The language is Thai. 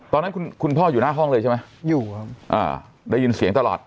ตอนนั้นคุณคุณพ่ออยู่หน้าห้องเลยใช่ไหมอยู่ครับอ่าได้ยินเสียงตลอด